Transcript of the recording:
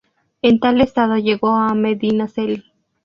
En tal estado llegó a Medinaceli.